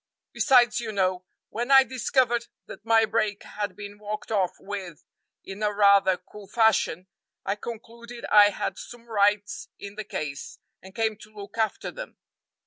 Besides, you know, when I discovered that my brake had been walked off with in a rather cool fashion, I concluded I had some rights in the case, and came to look after them.